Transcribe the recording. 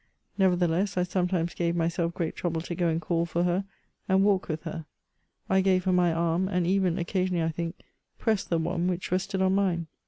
Nevertheless, I some times gave myself great trouble to go and call for her and walk with her ; I gave her my arm, and even occasionally, I think, pressed the one which rested on mine.